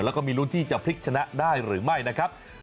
แล้วก็มีลุ้นที่จะพลิกชนะได้หรือไม่นะครับ